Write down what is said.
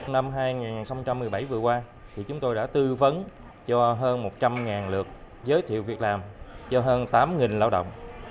năm hai nghìn một mươi bảy vừa qua chúng tôi đã tư vấn cho hơn một trăm linh lượt giới thiệu việc làm cho hơn tám lao động